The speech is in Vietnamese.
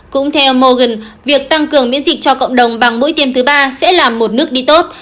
cũng theo morgan việc tăng cường miễn dịch cho cộng đồng bằng mũi tiêm thứ ba sẽ là một nước đi tốt